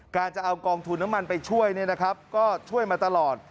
การจะเอากองทุนน้ำมันไปช่วยก็ช่วยมาตลอด